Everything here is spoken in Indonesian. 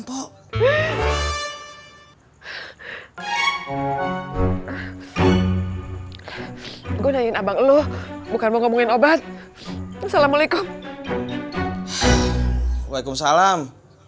gue nyanyiin abang lu bukan mau ngomongin obat assalamualaikum waalaikumsalam